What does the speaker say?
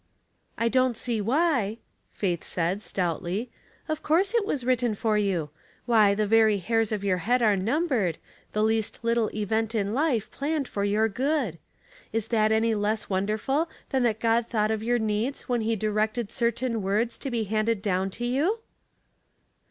"I don't see why," Faith said, stoutly. " Of course it was written for you. Why, the very hairs of your head are numbered, the least little event in life planned for your good. Is that any less wonderful than that God thought of your .leeds when he directed certain words to be handed down to you?"